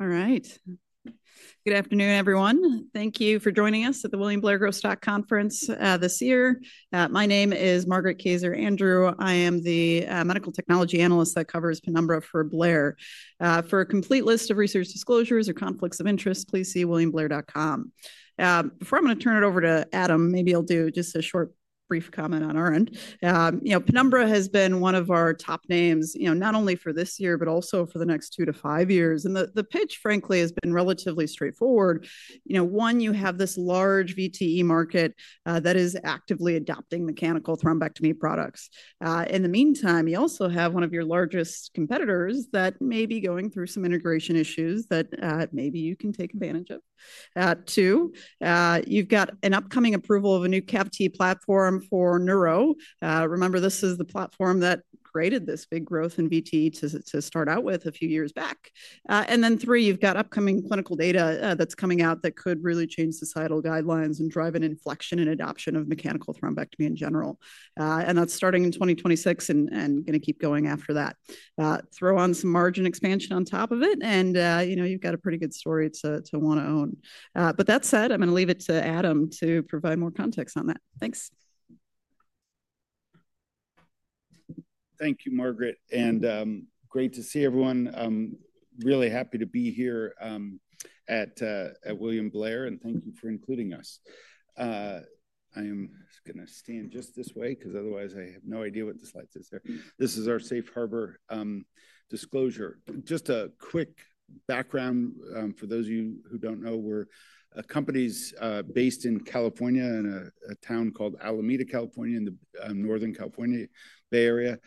All right. Good afternoon, everyone. Thank you for joining us at the William Blair Gross Stock Conference this year. My name is Margaret Kazar Andrews. I am the medical technology analyst that covers Penumbra for Blair. For a complete list of research disclosures or conflicts of interest, please see williamblair.com. Before I'm going to turn it over to Adam, maybe I'll do just a short, brief comment on our end. You know, Penumbra has been one of our top names, you know, not only for this year, but also for the next two to five years. And the pitch, frankly, has been relatively straightforward. You know, one, you have this large VTE market that is actively adopting mechanical thrombectomy products. In the meantime, you also have one of your largest competitors that may be going through some integration issues that maybe you can take advantage of. Two, you've got an upcoming approval of a new CAVT platform for Neuro. Remember, this is the platform that created this big growth in VTE to start out with a few years back. Three, you've got upcoming clinical data that's coming out that could really change societal guidelines and drive an inflection in adoption of mechanical thrombectomy in general. That's starting in 2026 and going to keep going after that. Throw on some margin expansion on top of it, and you know, you've got a pretty good story to want to own. That said, I'm going to leave it to Adam to provide more context on that. Thanks. Thank you, Margaret. Great to see everyone. Really happy to be here at William Blair, and thank you for including us. I am going to stand just this way because otherwise I have no idea what this light is here. This is our safe harbor disclosure. Just a quick background for those of you who do not know, we are a company based in California in a town called Alameda, California, in the northern California Bay Area.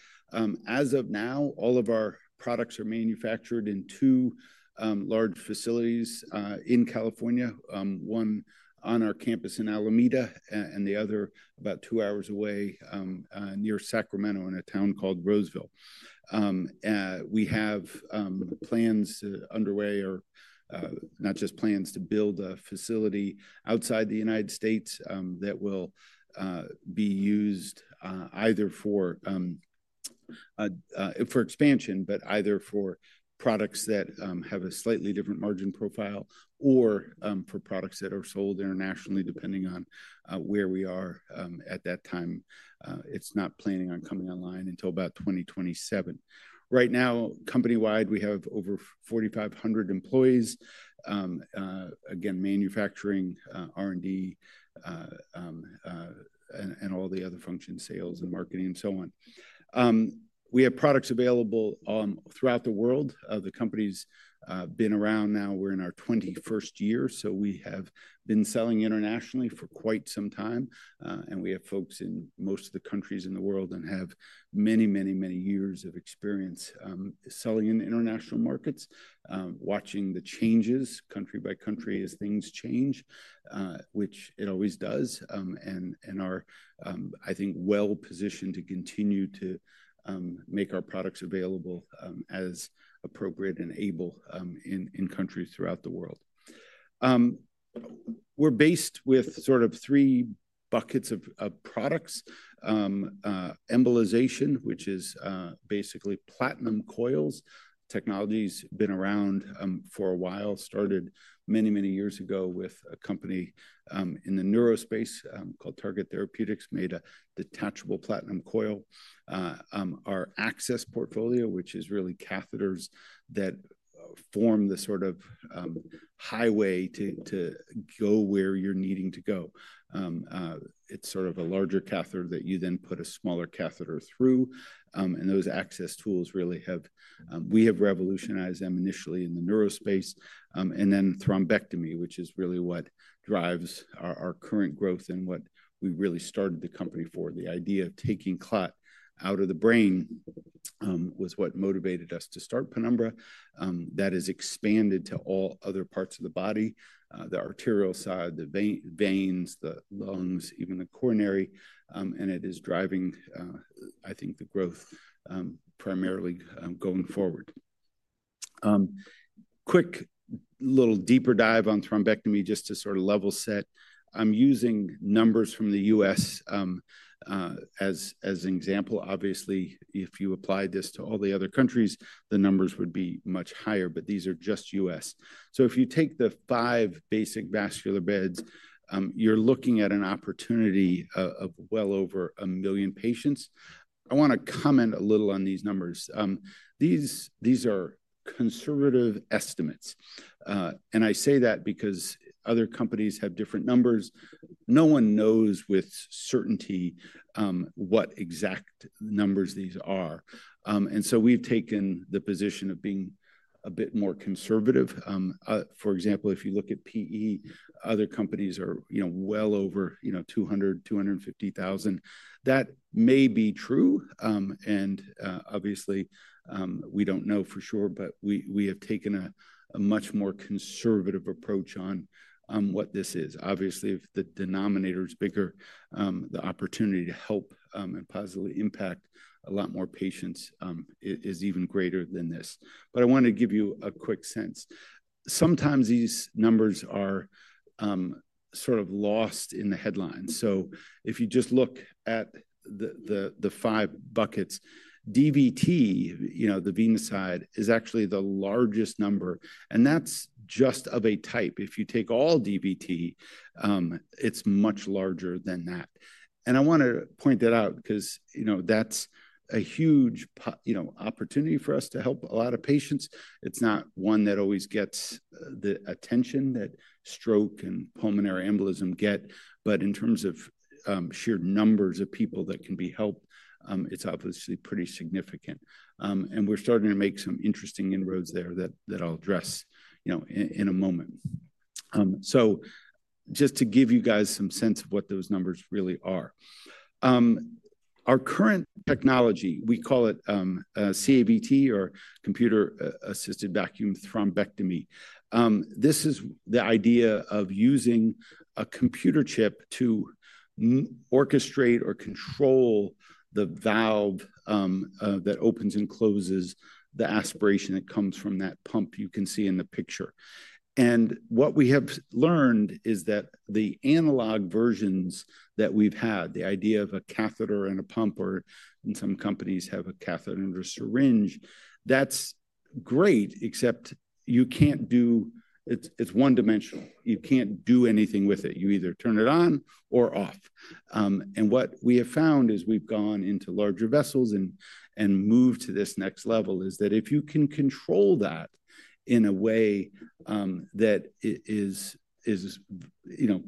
As of now, all of our products are manufactured in two large facilities in California, one on our campus in Alameda and the other about two hours away near Sacramento in a town called Roseville. We have plans underway, or not just plans, to build a facility outside the U.S. that will be used either for expansion, but either for products that have a slightly different margin profile or for products that are sold internationally, depending on where we are at that time. It's not planning on coming online until about 2027. Right now, company-wide, we have over 4,500 employees, again, manufacturing, R&D, and all the other functions, sales and marketing, and so on. We have products available throughout the world. The company's been around now. We're in our 21st year, so we have been selling internationally for quite some time. We have folks in most of the countries in the world and have many, many, many years of experience selling in international markets, watching the changes country by country as things change, which it always does. I think we're well positioned to continue to make our products available as appropriate and able in countries throughout the world. We're based with sort of three buckets of products: embolization, which is basically platinum coils. Technology's been around for a while, started many, many years ago with a company in the neuro space called Target Therapeutics, made a detachable platinum coil. Our access portfolio, which is really catheters that form the sort of highway to go where you're needing to go. It's sort of a larger catheter that you then put a smaller catheter through. Those access tools really have—we have revolutionized them initially in the neuro space. Thrombectomy, which is really what drives our current growth and what we really started the company for. The idea of taking clot out of the brain was what motivated us to start Penumbra. That has expanded to all other parts of the body: the arterial side, the veins, the lungs, even the coronary. It is driving, I think, the growth primarily going forward. Quick little deeper dive on thrombectomy, just to sort of level set. I'm using numbers from the U.S. as an example. Obviously, if you apply this to all the other countries, the numbers would be much higher, but these are just U.S. If you take the five basic vascular beds, you're looking at an opportunity of well over a million patients. I want to comment a little on these numbers. These are conservative estimates. I say that because other companies have different numbers. No one knows with certainty what exact numbers these are. We have taken the position of being a bit more conservative. For example, if you look at PE, other companies are well over 200, 250,000. That may be true. Obviously, we do not know for sure, but we have taken a much more conservative approach on what this is. Obviously, if the denominator is bigger, the opportunity to help and possibly impact a lot more patients is even greater than this. I wanted to give you a quick sense. Sometimes these numbers are sort of lost in the headlines. If you just look at the five buckets, DVT, you know, the venous side, is actually the largest number. That is just of a type. If you take all DVT, it is much larger than that. I want to point that out because, you know, that is a huge opportunity for us to help a lot of patients. It's not one that always gets the attention that stroke and pulmonary embolism get. In terms of sheer numbers of people that can be helped, it's obviously pretty significant. We're starting to make some interesting inroads there that I'll address in a moment. Just to give you guys some sense of what those numbers really are, our current technology, we call it CAVT or computer-assisted vacuum thrombectomy. This is the idea of using a computer chip to orchestrate or control the valve that opens and closes the aspiration that comes from that pump you can see in the picture. What we have learned is that the analog versions that we've had, the idea of a catheter and a pump, or some companies have a catheter and a syringe, that's great, except you can't do—it's one-dimensional. You can't do anything with it. You either turn it on or off. What we have found as we've gone into larger vessels and moved to this next level is that if you can control that in a way that is, you know,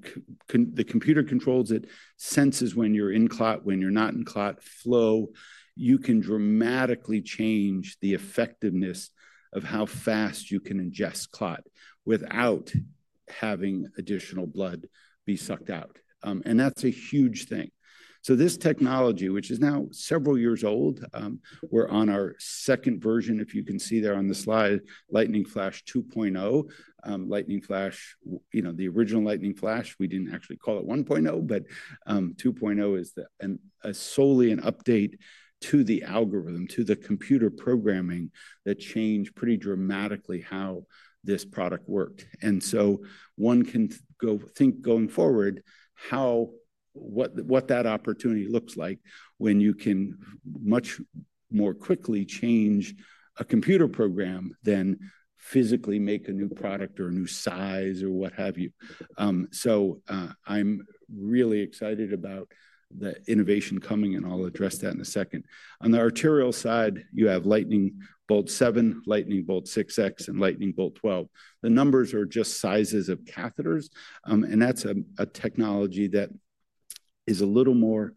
the computer controls it, senses when you're in clot, when you're not in clot flow, you can dramatically change the effectiveness of how fast you can ingest clot without having additional blood be sucked out. That's a huge thing. This technology, which is now several years old, we're on our second version, if you can see there on the slide, Lightning Flash 2.0. Lightning Flash, you know, the original Lightning Flash, we didn't actually call it 1.0, but 2.0 is solely an update to the algorithm, to the computer programming that changed pretty dramatically how this product worked. One can think going forward how what that opportunity looks like when you can much more quickly change a computer program than physically make a new product or a new size or what have you. I am really excited about the innovation coming, and I'll address that in a second. On the arterial side, you have Lightning Bolt 7, Lightning Bolt 6X, and Lightning Bolt 12. The numbers are just sizes of catheters. That is a technology that is a little more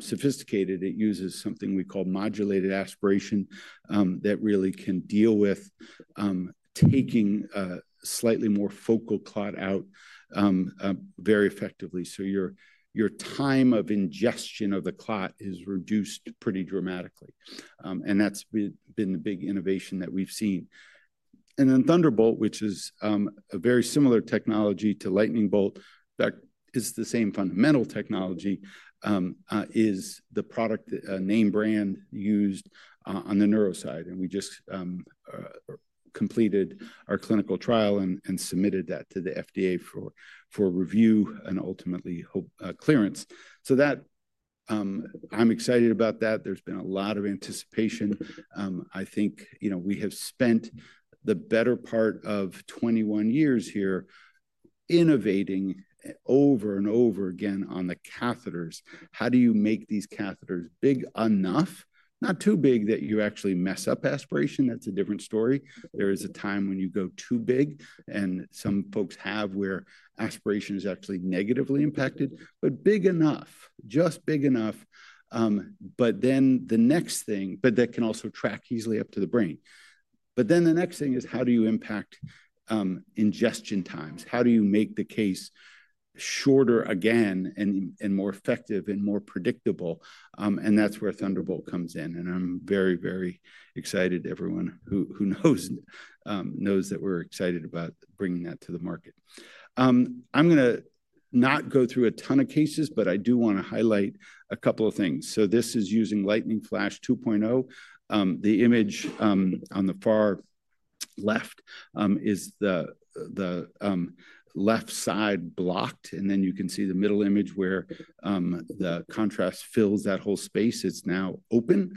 sophisticated. It uses something we call modulated aspiration that really can deal with taking slightly more focal clot out very effectively. Your time of ingestion of the clot is reduced pretty dramatically. That has been the big innovation that we've seen. Thunderbolt, which is a very similar technology to Lightning Bolt, that is the same fundamental technology, is the product name brand used on the neuro side. We just completed our clinical trial and submitted that to the FDA for review and ultimately clearance. I'm excited about that. There's been a lot of anticipation. I think, you know, we have spent the better part of 21 years here innovating over and over again on the catheters. How do you make these catheters big enough, not too big that you actually mess up aspiration? That's a different story. There is a time when you go too big, and some folks have where aspiration is actually negatively impacted, but big enough, just big enough. The next thing, but that can also track easily up to the brain. The next thing is how do you impact ingestion times? How do you make the case shorter again and more effective and more predictable? That is where Thunderbolt comes in. I am very, very excited. Everyone who knows knows that we are excited about bringing that to the market. I am going to not go through a ton of cases, but I do want to highlight a couple of things. This is using Lightning Flash 2.0. The image on the far left is the left side blocked. You can see the middle image where the contrast fills that whole space. It is now open.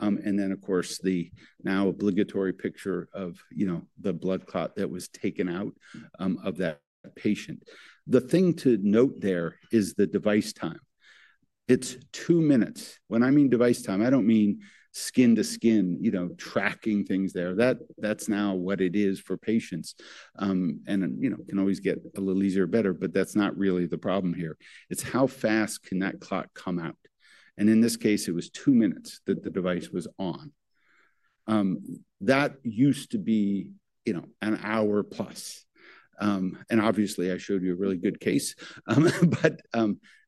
Then, of course, the now obligatory picture of, you know, the blood clot that was taken out of that patient. The thing to note there is the device time. It is two minutes. When I mean device time, I do not mean skin to skin, you know, tracking things there. That is not what it is for patients. And, you know, can always get a little easier or better, but that is not really the problem here. It is how fast can that clot come out? In this case, it was two minutes that the device was on. That used to be, you know, an hour plus. Obviously, I showed you a really good case, but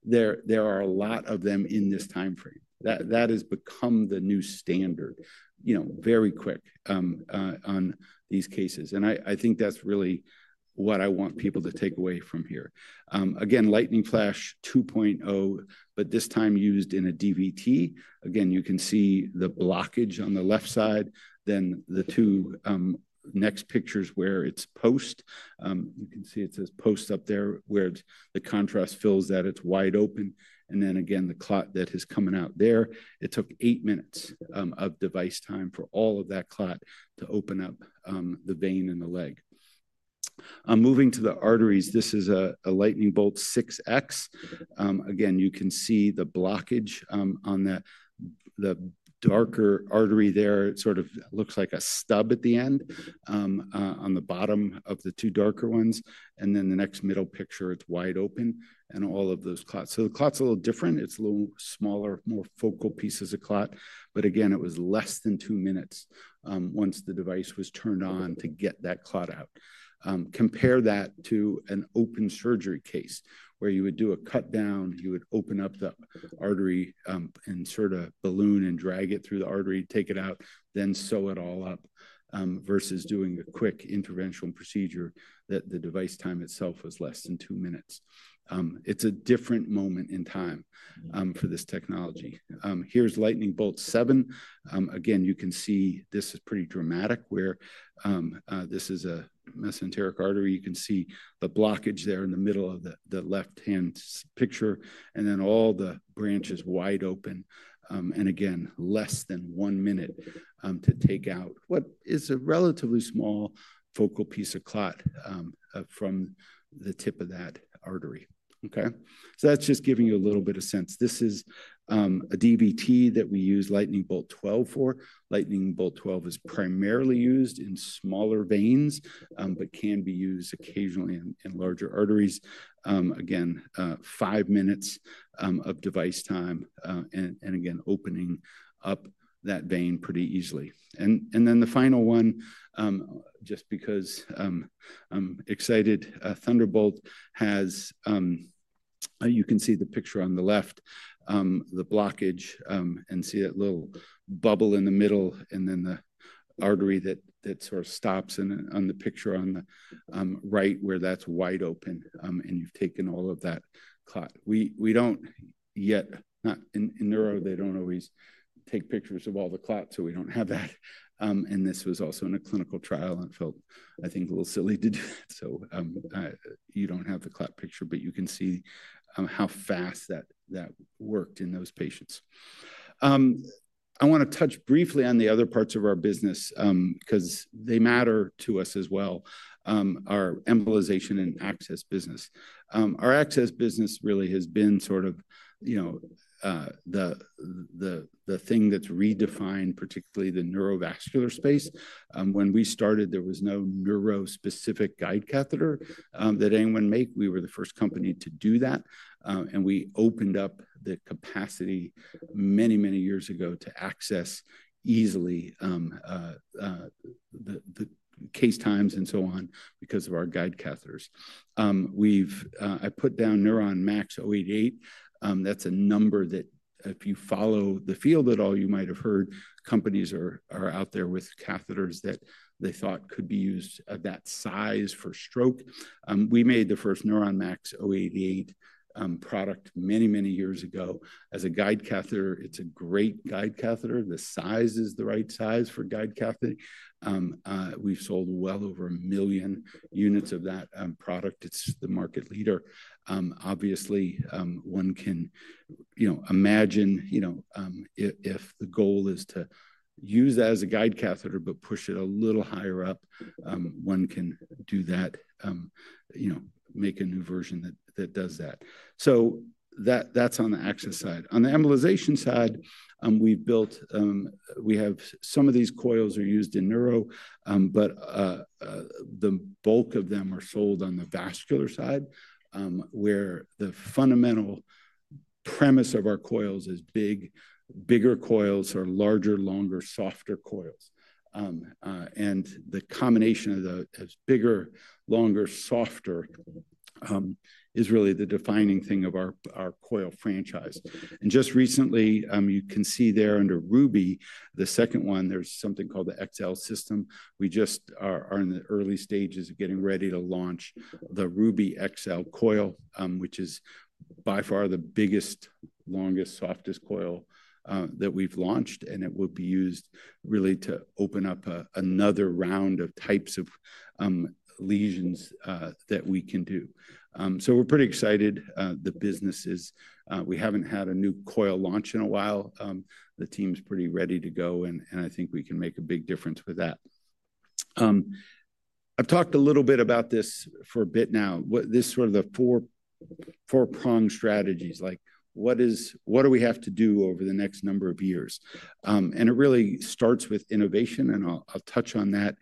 there are a lot of them in this timeframe. That has become the new standard, you know, very quick on these cases. I think that is really what I want people to take away from here. Again, Lightning Flash 2.0, but this time used in a DVT. Again, you can see the blockage on the left side. The two next pictures where it's post, you can see it says post up there where the contrast fills that. It's wide open. Again, the clot that is coming out there, it took eight minutes of device time for all of that clot to open up the vein in the leg. Moving to the arteries, this is a Lightning Bolt 6x. Again, you can see the blockage on the darker artery there. It sort of looks like a stub at the end on the bottom of the two darker ones. The next middle picture, it's wide open and all of those clots. The clot's a little different. It's a little smaller, more focal pieces of clot. Again, it was less than two minutes once the device was turned on to get that clot out. Compare that to an open surgery case where you would do a cut down, you would open up the artery and sort of balloon and drag it through the artery, take it out, then sew it all up versus doing a quick interventional procedure that the device time itself was less than two minutes. It's a different moment in time for this technology. Here's Lightning Bolt 7. Again, you can see this is pretty dramatic where this is a mesenteric artery. You can see the blockage there in the middle of the left-hand picture and then all the branches wide open. Again, less than one minute to take out what is a relatively small focal piece of clot from the tip of that artery. Okay. That's just giving you a little bit of sense. This is a DVT that we use Lightning Bolt 12 for. Lightning Bolt 12 is primarily used in smaller veins, but can be used occasionally in larger arteries. Again, five minutes of device time and again, opening up that vein pretty easily. The final one, just because I'm excited, Thunderbolt has, you can see the picture on the left, the blockage and see that little bubble in the middle and then the artery that sort of stops on the picture on the right where that's wide open and you've taken all of that clot. We don't yet, not in neuro, they don't always take pictures of all the clots, so we don't have that. This was also in a clinical trial and felt, I think, a little silly to do that. You don't have the clot picture, but you can see how fast that worked in those patients. I want to touch briefly on the other parts of our business because they matter to us as well, our embolization and access business. Our access business really has been sort of, you know, the thing that's redefined, particularly the neurovascular space. When we started, there was no neuro-specific guide catheter that anyone made. We were the first company to do that. We opened up the capacity many, many years ago to access easily the case times and so on because of our guide catheters. I put down Neuron MAX 088. That's a number that if you follow the field at all, you might have heard companies are out there with catheters that they thought could be used at that size for stroke. We made the first Neuron Max 088 product many, many years ago as a guide catheter. It's a great guide catheter. The size is the right size for guide catheter. We've sold well over a million units of that product. It's the market leader. Obviously, one can, you know, imagine, you know, if the goal is to use that as a guide catheter, but push it a little higher up, one can do that, you know, make a new version that does that. That's on the access side. On the embolization side, we have some of these coils are used in neuro, but the bulk of them are sold on the vascular side where the fundamental premise of our coils is big, bigger coils or larger, longer, softer coils. The combination of the bigger, longer, softer is really the defining thing of our coil franchise. Just recently, you can see there under Ruby, the second one, there's something called the XL system. We just are in the early stages of getting ready to launch the Ruby XL coil, which is by far the biggest, longest, softest coil that we've launched. It will be used really to open up another round of types of lesions that we can do. We're pretty excited. The business is, we haven't had a new coil launch in a while. The team's pretty ready to go. I think we can make a big difference with that. I've talked a little bit about this for a bit now, this sort of the four-pronged strategies, like what do we have to do over the next number of years? It really starts with innovation. I'll touch on that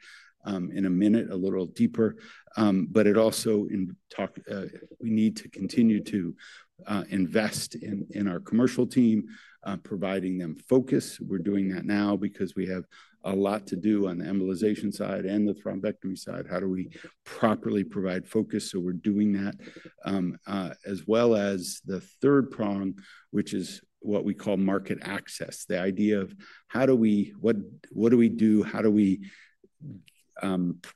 in a minute, a little deeper. It also in talk, we need to continue to invest in our commercial team, providing them focus. We're doing that now because we have a lot to do on the embolization side and the thrombectomy side. How do we properly provide focus? We're doing that as well as the third prong, which is what we call market access, the idea of how do we, what do we do? How do we,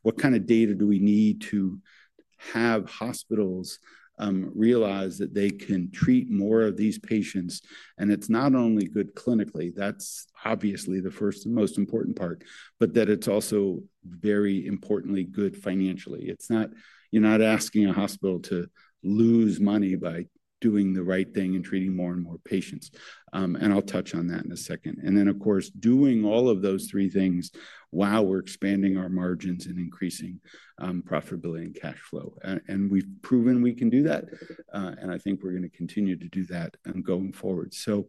what kind of data do we need to have hospitals realize that they can treat more of these patients? It's not only good clinically, that's obviously the first and most important part, but that it's also very importantly good financially. You're not asking a hospital to lose money by doing the right thing and treating more and more patients. I'll touch on that in a second. Of course, doing all of those three things, wow, we're expanding our margins and increasing profitability and cash flow. We have proven we can do that. I think we are going to continue to do that going forward. Sort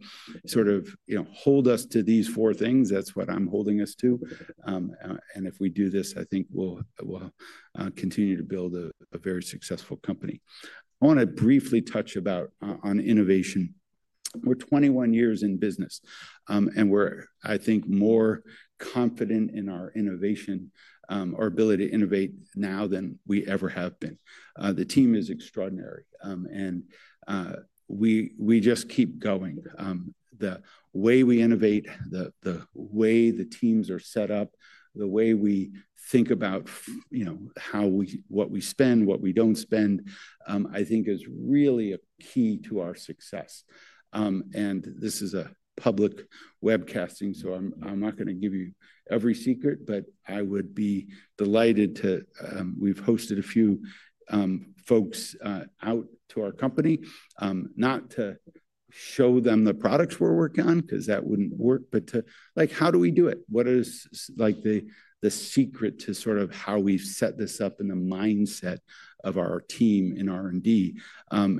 of, you know, hold us to these four things. That is what I am holding us to. If we do this, I think we will continue to build a very successful company. I want to briefly touch about innovation. We are 21 years in business. We are, I think, more confident in our innovation, our ability to innovate now than we ever have been. The team is extraordinary. We just keep going. The way we innovate, the way the teams are set up, the way we think about, you know, what we spend, what we do not spend, I think is really a key to our success. This is a public webcasting. I'm not going to give you every secret, but I would be delighted to, we've hosted a few folks out to our company, not to show them the products we're working on because that wouldn't work, but to like, how do we do it? What is like the secret to sort of how we set this up in the mindset of our team in R&D?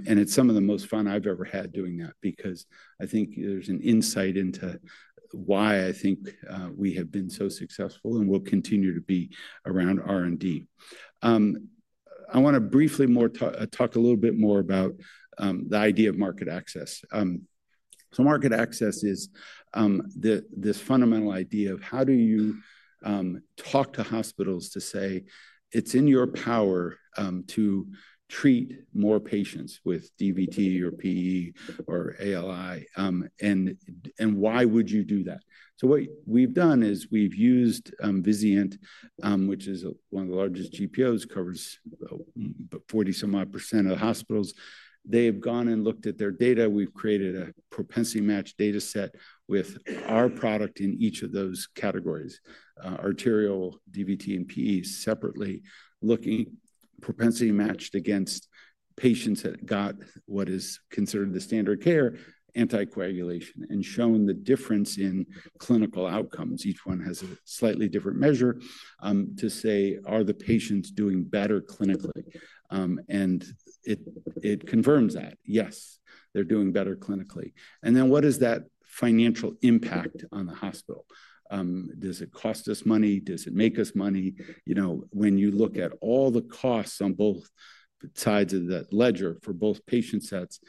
It's some of the most fun I've ever had doing that because I think there's an insight into why I think we have been so successful and will continue to be around R&D. I want to briefly talk a little bit more about the idea of market access. Market access is this fundamental idea of how do you talk to hospitals to say, it's in your power to treat more patients with DVT or PE or ALI? Why would you do that? What we have done is we have used Vizient, which is one of the largest GPOs, covers 40 some odd % of hospitals. They have gone and looked at their data. We have created a propensity match data set with our product in each of those categories, arterial, DVT, and PE separately, looking propensity matched against patients that got what is considered the standard care, anticoagulation, and shown the difference in clinical outcomes. Each one has a slightly different measure to say, are the patients doing better clinically? It confirms that, yes, they are doing better clinically. Then what is that financial impact on the hospital? Does it cost us money? Does it make us money? You know, when you look at all the costs on both sides of that ledger for both patient sets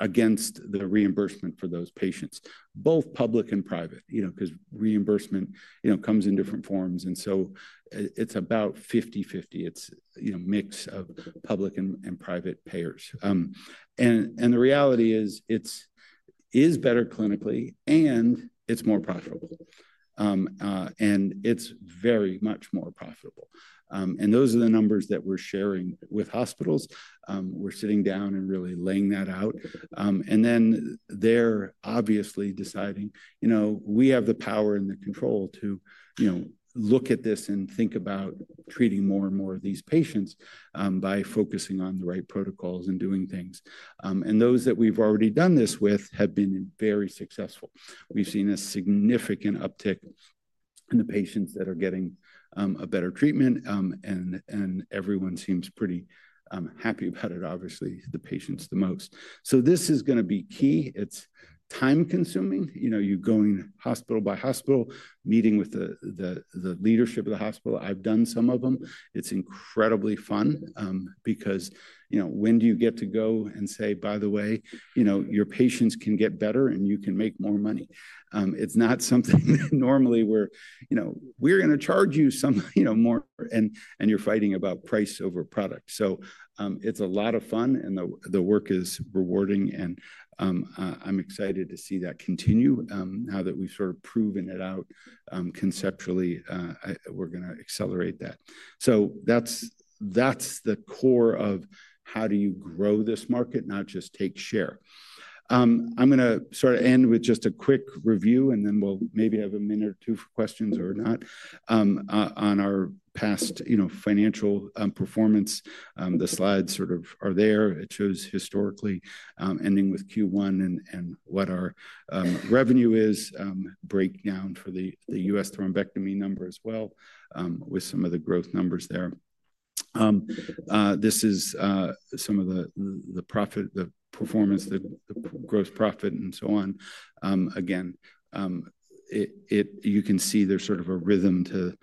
against the reimbursement for those patients, both public and private, you know, because reimbursement, you know, comes in different forms. It is about 50/50. It is a mix of public and private payers. The reality is it is better clinically and it is more profitable. It is very much more profitable. Those are the numbers that we are sharing with hospitals. We are sitting down and really laying that out. They are obviously deciding, you know, we have the power and the control to, you know, look at this and think about treating more and more of these patients by focusing on the right protocols and doing things. Those that we have already done this with have been very successful. We've seen a significant uptick in the patients that are getting a better treatment. And everyone seems pretty happy about it, obviously, the patients the most. This is going to be key. It's time-consuming. You know, you're going hospital by hospital, meeting with the leadership of the hospital. I've done some of them. It's incredibly fun because, you know, when do you get to go and say, by the way, you know, your patients can get better and you can make more money? It's not something that normally we're, you know, we're going to charge you some, you know, more and you're fighting about price over product. It's a lot of fun and the work is rewarding. I'm excited to see that continue. Now that we've sort of proven it out conceptually, we're going to accelerate that. That is the core of how do you grow this market, not just take share. I'm going to sort of end with just a quick review and then we'll maybe have a minute or two for questions or not on our past, you know, financial performance. The slides sort of are there. It shows historically ending with Q1 and what our revenue is, breakdown for the US thrombectomy number as well with some of the growth numbers there. This is some of the profit, the performance, the gross profit and so on. Again, you can see there's sort of a rhythm to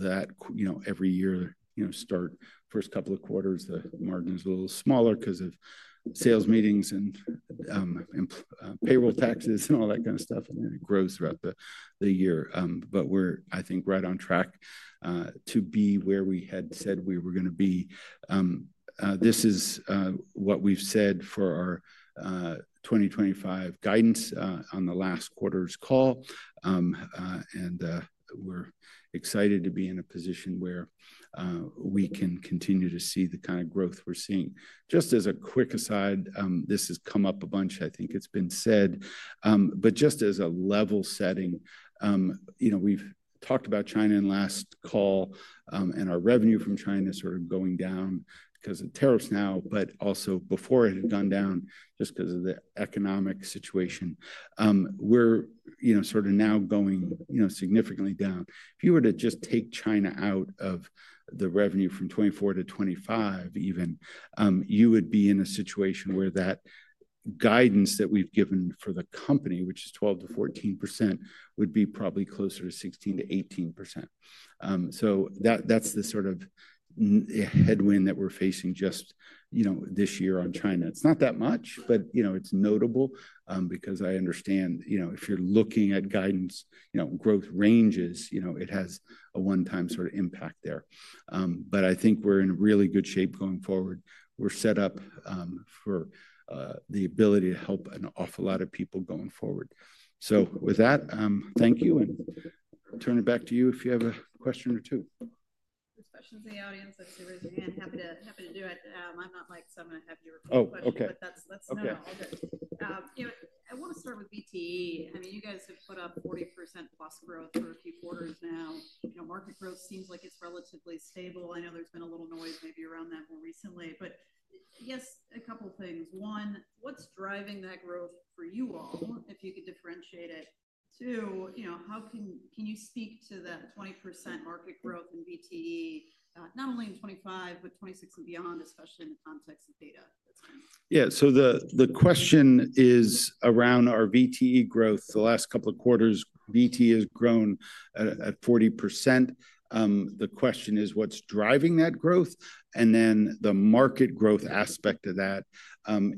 that, you know, every year, you know, start first couple of quarters, the margin is a little smaller because of sales meetings and payroll taxes and all that kind of stuff. Then it grows throughout the year. We're, I think, right on track to be where we had said we were going to be. This is what we've said for our 2025 guidance on the last quarter's call. We're excited to be in a position where we can continue to see the kind of growth we're seeing. Just as a quick aside, this has come up a bunch, I think it's been said, but just as a level setting, you know, we've talked about China in last call and our revenue from China is sort of going down because of tariffs now, but also before it had gone down just because of the economic situation. We're, you know, sort of now going, you know, significantly down. If you were to just take China out of the revenue from 2024 to 2025 even, you would be in a situation where that guidance that we've given for the company, which is 12%-14%, would be probably closer to 16%-18%. That is the sort of headwind that we're facing just, you know, this year on China. It's not that much, but, you know, it's notable because I understand, you know, if you're looking at guidance, you know, growth ranges, you know, it has a one-time sort of impact there. I think we're in really good shape going forward. We're set up for the ability to help an awful lot of people going forward. With that, thank you. Turning it back to you if you have a question or two. There are questions in the audience. I'd say raise your hand. Happy to do it. I'm not Mike, so I'm going to have you repeat the question. Oh, okay. But that's not all. You know, I want to start with VTE. I mean, you guys have put up 40% plus growth for a few quarters now. You know, market growth seems like it's relatively stable. I know there's been a little noise maybe around that more recently, but yes, a couple of things. One, what's driving that growth for you all if you could differentiate it? Two, you know, how can you speak to that 20% market growth in VTE, not only in 2025, but 2026 and beyond, especially in the context of data that's coming? Yeah. The question is around our VTE growth. The last couple of quarters, VTE has grown at 40%. The question is what's driving that growth? The market growth aspect of that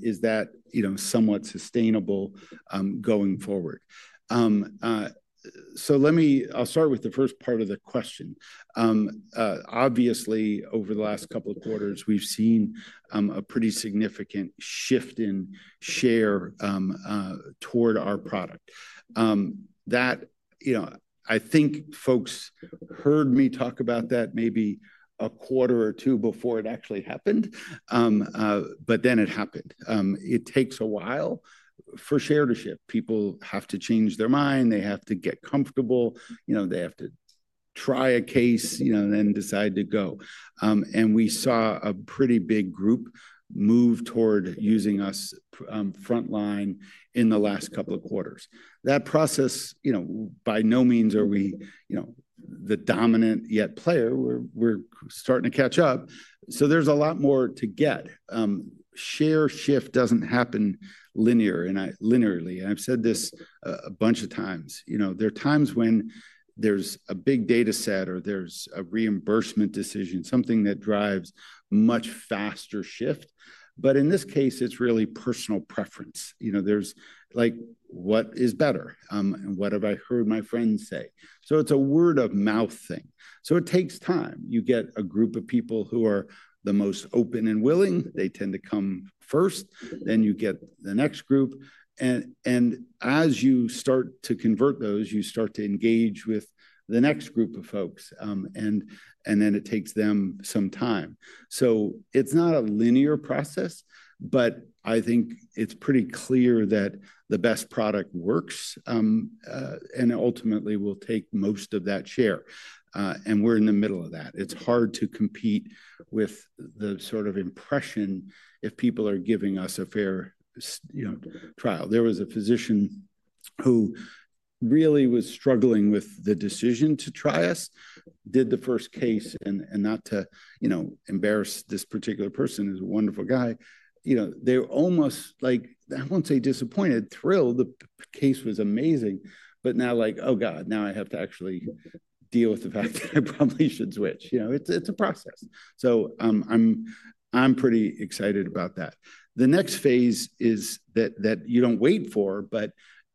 is that, you know, somewhat sustainable going forward. Let me, I'll start with the first part of the question. Obviously, over the last couple of quarters, we've seen a pretty significant shift in share toward our product. That, you know, I think folks heard me talk about that maybe a quarter or two before it actually happened, but then it happened. It takes a while for sharedership. People have to change their mind. They have to get comfortable. You know, they have to try a case, you know, and then decide to go. We saw a pretty big group move toward using us frontline in the last couple of quarters. That process, you know, by no means are we, you know, the dominant yet player. We're starting to catch up. There's a lot more to get. Share shift does not happen linearly. I have said this a bunch of times. You know, there are times when there is a big data set or there is a reimbursement decision, something that drives much faster shift. In this case, it is really personal preference. You know, there is like, what is better? And what have I heard my friends say? It is a word of mouth thing. It takes time. You get a group of people who are the most open and willing. They tend to come first. You get the next group. As you start to convert those, you start to engage with the next group of folks. It takes them some time. It is not a linear process, but I think it is pretty clear that the best product works and ultimately will take most of that share. We are in the middle of that. It's hard to compete with the sort of impression if people are giving us a fair, you know, trial. There was a physician who really was struggling with the decision to try us, did the first case and not to, you know, embarrass this particular person who's a wonderful guy. You know, they're almost like, I won't say disappointed, thrilled. The case was amazing, but now like, oh God, now I have to actually deal with the fact that I probably should switch. You know, it's a process. I'm pretty excited about that. The next phase is that you don't wait for, but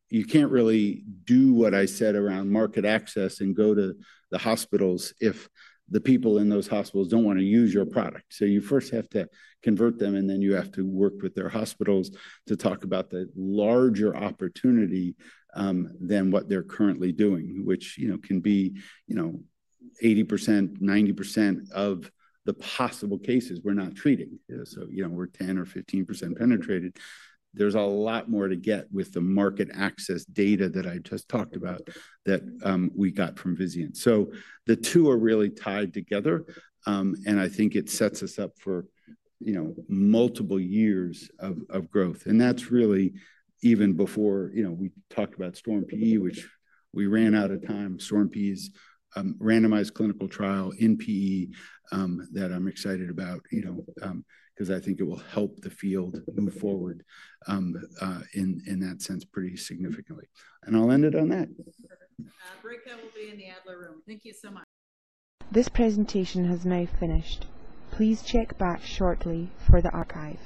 you can't really do what I said around market access and go to the hospitals if the people in those hospitals don't want to use your product. You first have to convert them and then you have to work with their hospitals to talk about the larger opportunity than what they're currently doing, which, you know, can be 80%-90% of the possible cases we're not treating. You know, we're 10% or 15% penetrated. There's a lot more to get with the market access data that I just talked about that we got from Vizient. The two are really tied together. I think it sets us up for multiple years of growth. That's really even before, you know, we talked about Storm PE, which we ran out of time. Storm PE's randomized clinical trial in PE that I'm excited about, you know, because I think it will help the field move forward in that sense pretty significantly. I'll end it on that. Brick will be in the Adler room. Thank you so much. This presentation has now finished. Please check back shortly for the archives.